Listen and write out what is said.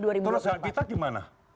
terus hak kita gimana